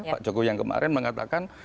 pak jokowi yang kemarin mengatakan